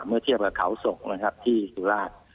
เมื่อเทียบกับเขาศกที่สุราช